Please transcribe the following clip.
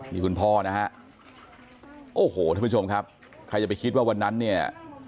นี่คุณพ่อนะฮะโอ้โหท่านผู้ชมครับใครจะไปคิดว่าวันนั้นเนี่ย